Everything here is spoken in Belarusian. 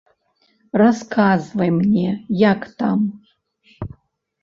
Расказвай мне, як там.